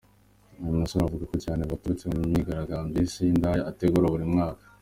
Uyu mugore anavugwa cyane biturutse ku myigaragambyo yise iy’indaya ategura buri mwaka.